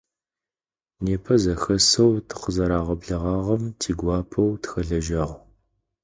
Непэ зэхэсэу тыкъызэрагъэблэгъагъэм тигуапэу тыхэлэжьагъ.